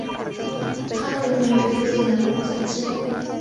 它得名于附近的蓬索街。